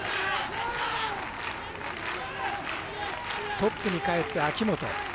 トップにかえって、秋元。